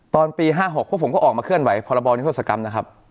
ตอนปี๕๖พวกผมก็ออกมาเคลื่อนไหวพรบนิทธศกรรมนะครับ